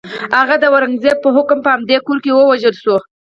هغه د اورنګزېب په حکم په همدې کور کې ووژل شو.